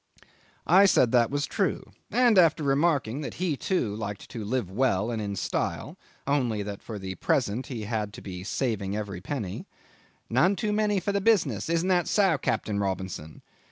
'I said that was true, and after remarking that he too liked to live well and in style, only that, for the present, he had to be saving of every penny "none too many for the business! Isn't that so, Captain Robinson?"